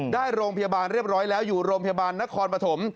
โรงพยาบาลเรียบร้อยแล้วอยู่โรงพยาบาลนครปฐม